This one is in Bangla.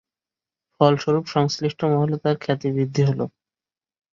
ফলস্বরূপ সংশ্লিষ্ট মহলে তার খ্যাতি বৃদ্ধি হল।